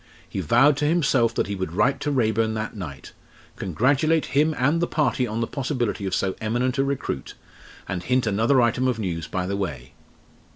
He vowed to himself that he would write to Raeburn that night, congratulate him and the party on the possibility of so eminent a recruit and hint another item of news by the way.